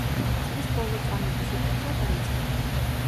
წლის ბოლო წამების უკუთვლა დაიწყება.